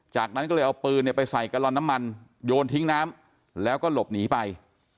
จากนั้นก็เลยเอาปืนไปใส่กะลอนน้ำมันโยนทิ้งน้ำแล้วก็หลบหนีไป